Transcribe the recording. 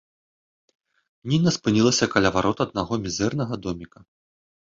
Ніна спынілася каля варот аднаго мізэрнага доміка.